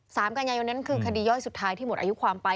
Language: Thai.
กันยายนนั้นคือคดีย่อยสุดท้ายที่หมดอายุความไป